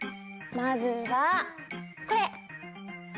まずはこれ！